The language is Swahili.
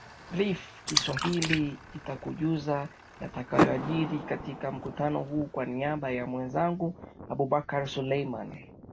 rfi kiswahili itakujuza yatakaojiri katika mkutano huo kwa niaba ya mwenzangu abubakari suleiman